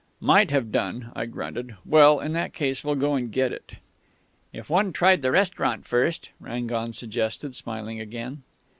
"'Might have done,' I grunted.... 'Well, in that case we'll go and get it.' "'If one tried the restaurant first ?' Rangon suggested, smiling again.